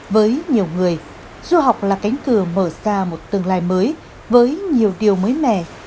với nhiều người du học là cánh cửa mở ra một tương lai mới với nhiều điều mới mẻ